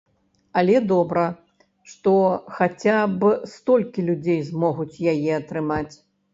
Але добра, што хаця б столькі людзей змогуць яе атрымаць.